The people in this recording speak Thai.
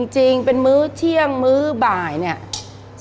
จริงเป็นมื้อเที่ยงมื้อบ่ายเนี่ย